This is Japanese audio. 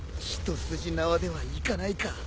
一筋縄ではいかないか。